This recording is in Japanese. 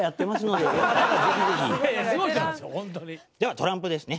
ではトランプですね。